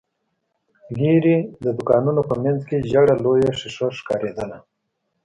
ليرې، د دوکانونو په مينځ کې ژېړه لويه ښيښه ښکارېدله.